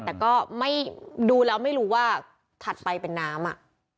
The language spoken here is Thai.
แต่ก็ไม่ดูแล้วไม่รู้ว่าถัดไปเป็นน้ำอ่ะ